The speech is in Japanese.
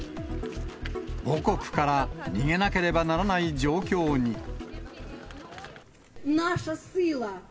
母国から逃げなければならない状況に。